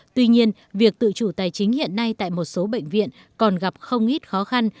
tuy nhiên việc tự chủ tài chính hiện nay tại một số bệnh viện còn gặp không ít khó khăn